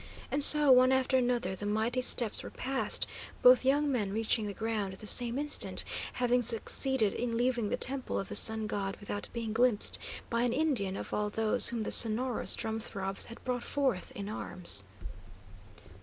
And so, one after another, the mighty steps were passed, both young men reaching the ground at the same instant, having succeeded in leaving the Temple of the Sun God without being glimpsed by an Indian of all those whom the sonorous drum throbs had brought forth In arms.